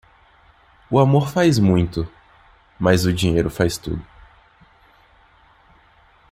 O amor faz muito, mas o dinheiro faz tudo.